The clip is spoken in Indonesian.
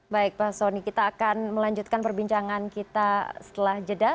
baik pak soni kita akan melanjutkan perbincangan kita setelah jeda